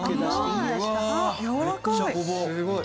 やわらかい！